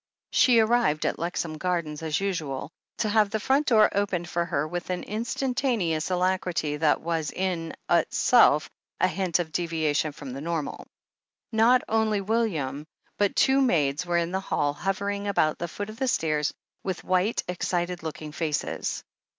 She arrived at Lexham Gardens as usual, to have the front door opened for her with an instantaneous alacrity that was in itself a hint of deviation from the normal. Not only William, but two maids were in the hall, hovering about the foot of the stairs with white, excited looking faces.